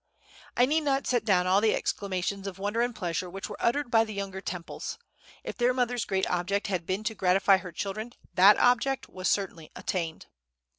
I need not set down all the exclamations of wonder and pleasure which were uttered by the younger Temples. If their mother's great object had been to gratify her children, that object was certainly attained.